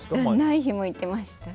ない日も行ってました。